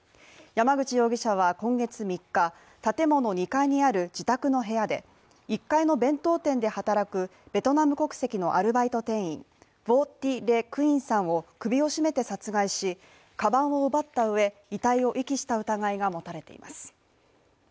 山口容疑者は今月３日建物２階にある自宅の部屋で１階の弁当店で働くベトナム国籍のアルバイト店員、ヴォ・ティ・レ・クインさんを首を絞めて殺害し、かばんを奪ったうえ遺体を遺棄した疑いが持たれています。